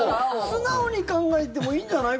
素直に考えてもいいんじゃない？